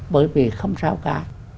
bởi vì không sao cả